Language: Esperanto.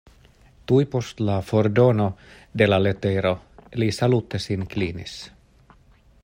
Tuj post la fordono de la letero li salute sin klinis.